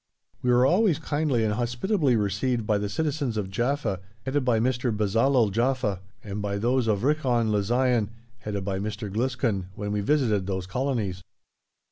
We were always kindly and hospitably received by the citizens of Jaffa, headed by Mr. Bezalel Jaffe, and by those of Richon le Zion, headed by Mr. Gluskin, when we visited those colonies.